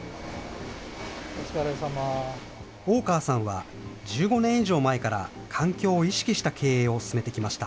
大川さんは、１５年以上前から環境を意識した経営を進めてきました。